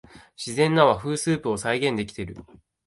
自然な和風スープを再現できてる